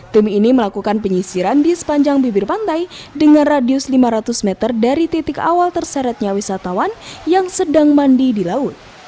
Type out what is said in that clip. tim ini melakukan penyisiran di sepanjang bibir pantai dengan radius lima ratus meter dari titik awal terseretnya wisatawan yang sedang mandi di laut